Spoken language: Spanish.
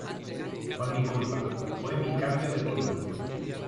¡ fue mi culpa! fue mi cambio de turno.